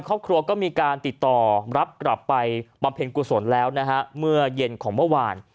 ครอบครัวก็มีการติดต่อรับกลับไปบำเพ็ญกุศลแล้วนะฮะเมื่อเย็นของเมื่อวาน